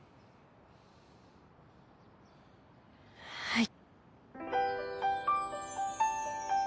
はい。